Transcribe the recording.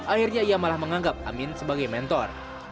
akhirnya ia malah menganggap amin sebagai mentor